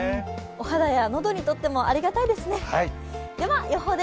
お肌や喉にとってもありがたいですよね。